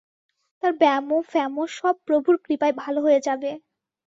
তার ব্যামো-ফ্যামো সব প্রভুর কৃপায় ভাল হয়ে যাবে।